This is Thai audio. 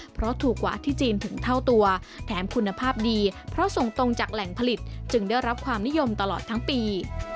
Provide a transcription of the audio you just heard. เพราะถูกกว่าที่จีนถึงเท่าตัวแถมคุณภาพดีเพราะส่งตรงจากแหล่งผลิตจึงได้รับความนิยมตลอดทั้งปี